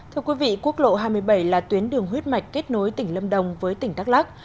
thưa quý vị quốc lộ hai mươi bảy là tuyến đường huyết mạch kết nối tỉnh lâm đồng với tỉnh đắk lắc